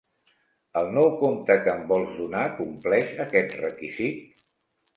El nou compte que em vols donar compleix aquest requisit?